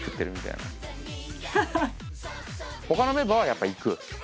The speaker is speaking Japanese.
他のメンバーはやっぱ行く。